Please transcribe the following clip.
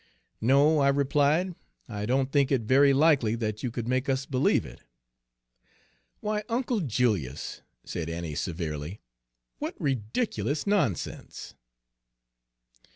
"No," I replied, "I don't think it very likely that you could make us believe it." "Why, Uncle Julius!" said Annie severely, "what ridiculous nonsense!"